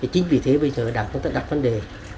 chính vì thế bây giờ đảng ta đặt vấn đề